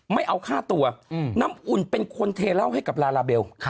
ไม่เอาค่าตัวน้ำอุ่นเป็นคนเทเล่าให้กับลาลาเบล